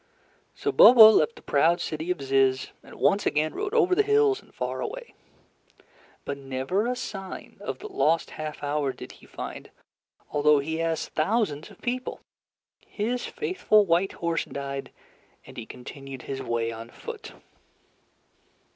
So Bobo left the proud city of Zizz, and once again rode over the hills and far away. But never a sign of the lost half hour did he find, although he asked thousands of people. His faithful white horse died, and he continued his way on foot.